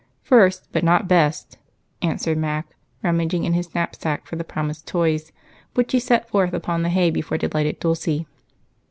"First, but not best," answered Mac, rummaging in his knapsack for the promised toys, which he set forth upon the hay before delighted Dulce.